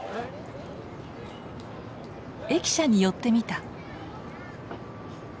駅舎に寄ってみた。